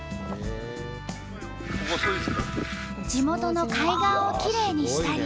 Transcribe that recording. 地元の海岸をきれいにしたり。